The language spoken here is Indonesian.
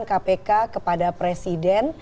kpk kepada presiden